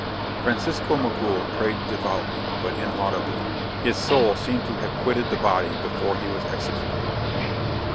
Francisco Migul prayed devoutly, but inaudibly. His soul seemed to have quitted the body before he was executed.